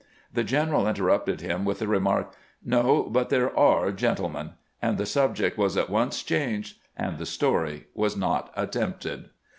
The general interrupted him with the remark, " No ; but there are gentlemen" ; and the subject was at once changed, and the story was not attempted.